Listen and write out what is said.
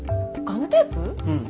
うん。